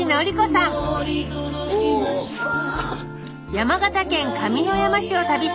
山形県上山市を旅しています